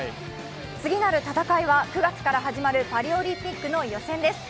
次なる戦いは９月から始まるパリオリンピックの予選です。